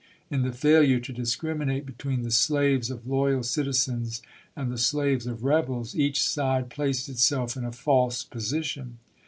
In the failure to discriminate between the slaves of loyal citizens and the slaves of rebels each side placed itself in a false position.